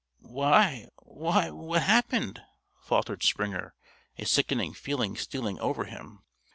"Why why, what happened?" faltered Springer, a sickening feeling stealing over him.